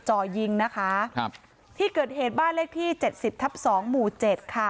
จ่อยิงนะคะครับที่เกิดเหตุบ้านเลขที่เจ็ดสิบทับสองหมู่เจ็ดค่ะ